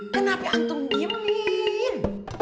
kenapa antum diemin